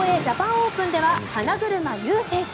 オープンでは花車優選手。